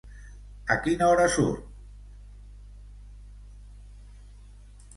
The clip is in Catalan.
A quina hora surt?